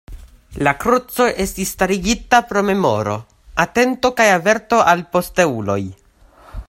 La kruco estis starigita pro memoro, atento kaj averto al posteuloj.